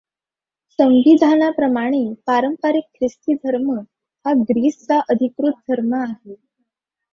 संविधानाप्रमाणे पारंपारिक ख्रिस्ती धर्म हा ग्रीसचा अधिकृत धर्म आहे.